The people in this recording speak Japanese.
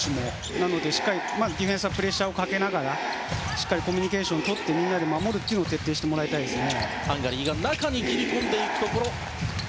なので、しっかりディフェンスはプレッシャーをかけながらしっかりコミュニケーションをとってみんなで守るというのを徹底してもらいたいですね。